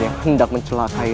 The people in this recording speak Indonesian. yang hendak mencelakai rairarasan